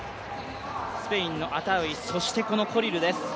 スペインのアタウイ、そしてこのコリルです。